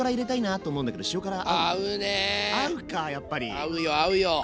合うよ合うよ。